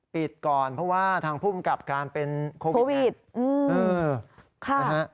ปิดก่อนเพราะว่าทางภูมิกับการเป็นโควิดนะฮะ